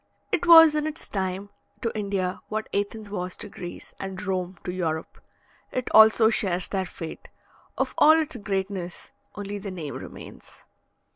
It was in its time to India what Athens was to Greece, and Rome to Europe. It also shares their fate of all its greatness only the name remains.